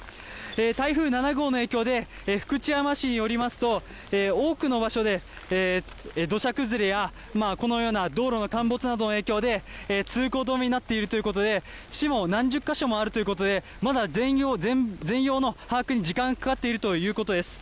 台風７号の影響で、福知山市によりますと、多くの場所で土砂崩れや、このような道路の陥没などの影響で、通行止めになっているということで、市も、何十か所もあるということで、まだ全容の把握に時間がかかっているということです。